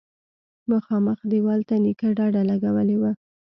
مخامخ دېوال ته نيکه ډډه لگولې وه.